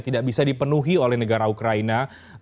tidak bisa dipenuhi oleh negara ukraina